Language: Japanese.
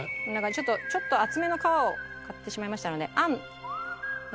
ちょっと厚めの皮を買ってしまいましたので餡ちょい少なめ。